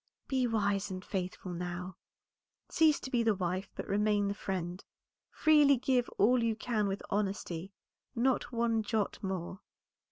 "Be wise and faithful now; cease to be the wife, but remain the friend; freely give all you can with honesty, not one jot more."